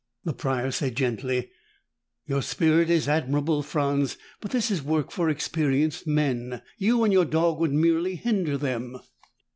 The Prior said gently, "Your spirit is admirable, Franz, but this is work for experienced men. You and your dog would merely hinder them."